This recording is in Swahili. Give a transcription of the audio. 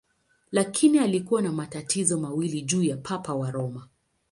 Lakini alikuwa na matatizo mawili juu ya Papa wa Roma.